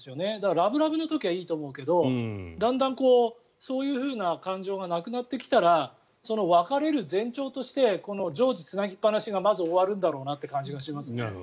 ラブラブの時はいいと思うけどだんだんそういう感情がなくなってきたら別れる前兆としてこの常時つなぎっぱなしがまず終わるんだろうなという感じがしますね。